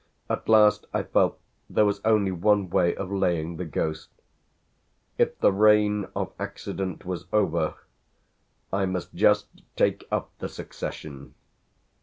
At last I felt there was only one way of laying the ghost. If the reign of accident was over I must just take up the succession.